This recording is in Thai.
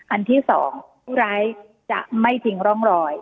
อันที่๒ผู้ร้ายจะไม่ทิ้งร่องรอย